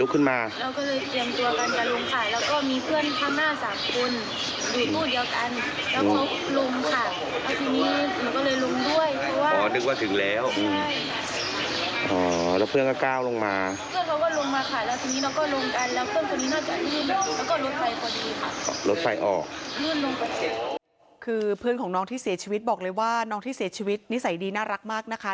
คือเพื่อนของน้องที่เสียชีวิตบอกเลยว่าน้องที่เสียชีวิตนิสัยดีน่ารักมากนะคะ